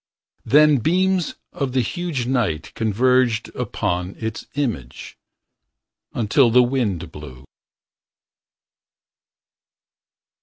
Then beams of the huge night Converged upon its image. Until the wind blew.